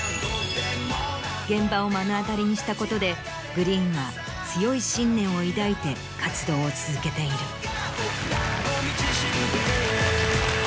現場を目の当たりにしたことでＧＲｅｅｅｅＮは強い信念を抱いて活動を続けている。